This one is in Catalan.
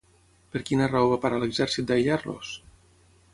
Per quina raó va parar l'exèrcit d'aïllar-los?